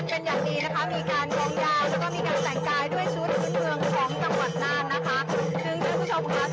เป็นอย่างดีนะคะมีการกองยางแล้วก็มีการแต่งกายด้วยชุดพื้นเมืองของถัดสังหวัดหน้านะคะ